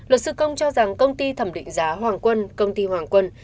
luật sư công cho rằng công ty thẩm định giá hoàng quân công ty hoàng quân